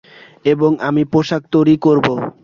এবং আমি পোশাক তৈরি করবো।